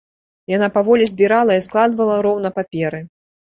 Яна паволі збірала і складвала роўна паперы.